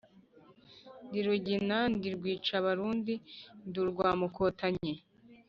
Ndi Rugina, ndi Rwica abarundi, ndi urwa Mukotanyi.